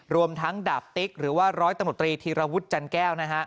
รวมทั้งดาพติ๊กหรือว่าร้อยตำรวจตรีธีรวรรณ์ฟุตจันทร์แก้ว